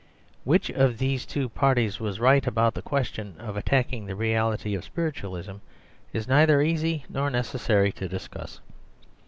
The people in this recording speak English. Which of these two parties was right about the question of attacking the reality of spiritualism it is neither easy nor necessary to discuss.